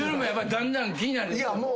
だんだん気になる。